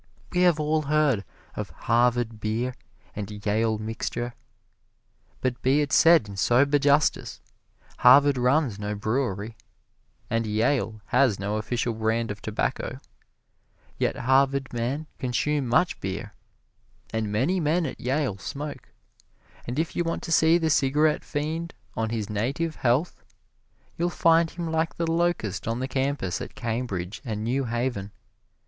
We have all heard of Harvard Beer and Yale Mixture, but be it said in sober justice, Harvard runs no brewery, and Yale has no official brand of tobacco. Yet Harvard men consume much beer, and many men at Yale smoke. And if you want to see the cigarette fiend on his native heath, you'll find him like the locust on the campus at Cambridge and New Haven.